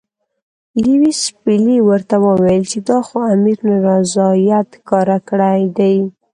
لیویس پیلي ورته وویل چې دا خو امیر نارضاییت ښکاره کړی دی.